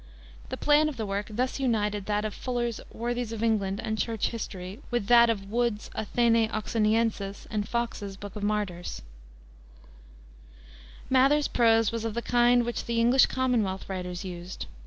The plan of the work thus united that of Fuller's Worthies of England and Church History with that of Wood's Athenae Oxonienses and Fox's Book of Martyrs. Mather's prose was of the kind which the English Commonwealth writers used.